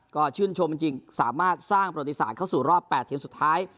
ก็ชื่นชมจริงสามารถสร้างประวัติศาสตร์เข้าสู่รอบ๘ทีมสุดท้าย